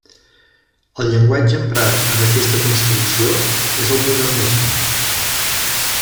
El llenguatge emprat en aquesta construcció és el modernisme.